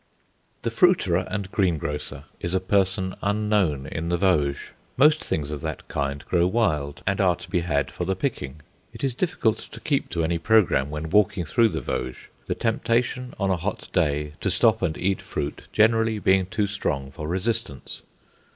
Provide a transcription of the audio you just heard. The fruiterer and greengrocer is a person unknown in the Vosges. Most things of that kind grow wild, and are to be had for the picking. It is difficult to keep to any programme when walking through the Vosges, the temptation on a hot day to stop and eat fruit generally being too strong for resistance.